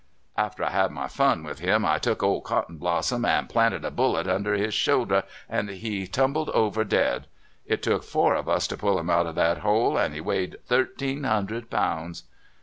"After I had my fun with him, I took old Cot tonblossom and planted a bullet under his shoul der, and he tumbled over dead. It took four of us to pull him out of that hole, and he weighed thir teen hundred pounds."